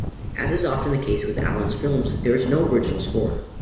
As is often the case with Allen's films, there is no original score.